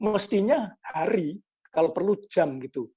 mestinya hari kalau perlu jam gitu